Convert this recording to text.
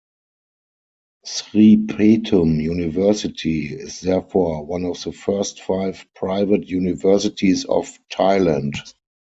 Sripatum University is therefore one of the first five private universities of Thailand.